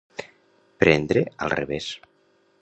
Prendre al revés.